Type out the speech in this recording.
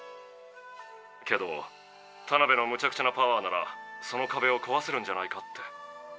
けどタナベのむちゃくちゃなパワーならそのかべをこわせるんじゃないかって。